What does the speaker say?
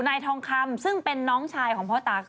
นายทองคำซึ่งเป็นน้องชายของพ่อตา